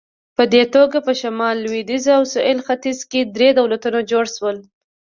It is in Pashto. په دې توګه په شمال، لوېدیځ او سویل ختیځ کې درې دولتونه جوړ شول.